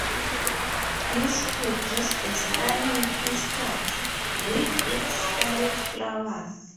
This produces a stunning contrast with its scarlet flowers.